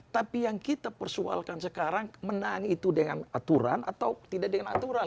tapi yang kita persoalkan sekarang menang itu dengan aturan atau tidak dengan aturan